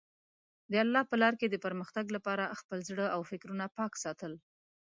د الله په لاره کې د پرمختګ لپاره خپل زړه او فکرونه پاک ساتل.